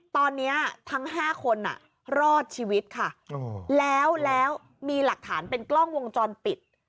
ตอนนี้ทั้ง๕คนรอดชีวิตค่ะแล้วมีหลักฐานเป็นกล้องวงจรปิด